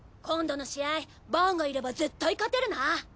今度の試合バーンがいれば絶対勝てるな。